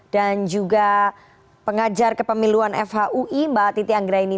juga pengajar kepemiluan fhui mbak titi anggraini